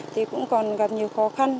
thì cũng còn gặp nhiều khó khăn